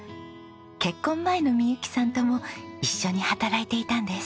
結婚前の未佑紀さんとも一緒に働いていたんです。